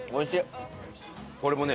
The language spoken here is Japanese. これもね